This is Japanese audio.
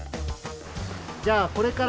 じゃあこれからね。